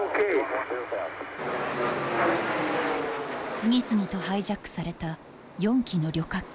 次々とハイジャックされた４機の旅客機。